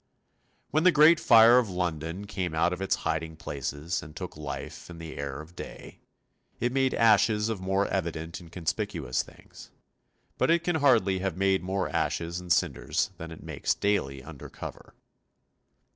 When the Great Fire of London came out of its hiding places and took life in the air of day, it made ashes of more evident and conspicuous things, but it can hardly have made more ashes and cinders than it makes daily under cover.